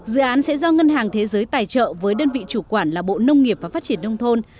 dự án sẽ do ngân hàng thế giới tài trợ với đơn vị chủ quản là bộ nông nghiệp và phát triển nông thôn